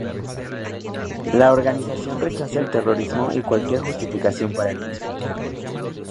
La organización rechaza el terrorismo y cualquier justificación para el mismo.